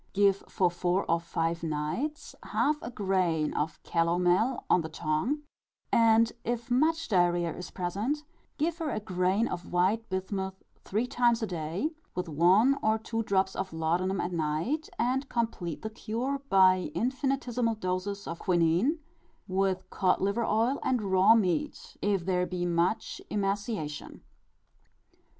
Give, for four or five nights half a grain of calomel on the tongue; and if much diarrhœa is present, give her a grain of white bismuth three times a day, with one or two drops of laudanum at night; and complete the cure by infinitesimal doses of quinine, with cod liver oil and raw meat, if there be much emaciation.